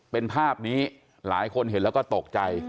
เป็นภาพนี้หลายคนเห็นแล้วก็ตกใจ